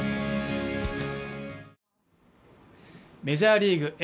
メジャーリーグ